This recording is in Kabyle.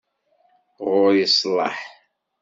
Ɣur-i sslaḥ.